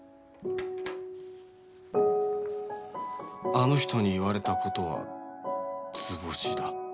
あの人に言われた事は図星だ